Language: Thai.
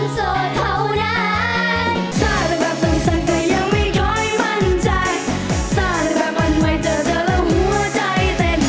สุดท้าย